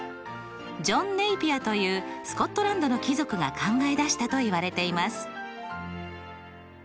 ジョン・ネイピアというスコットランドの貴族が考え出したといわれています。